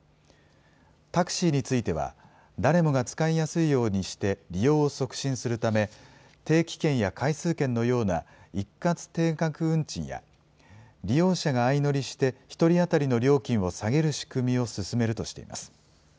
タクシーについては、誰もが使いやすいようにして利用を促進するため、定期券や回数券のような一括定額運賃や利用者が相乗りして１人当たりの料金を下げる仕組みを進めるとしています。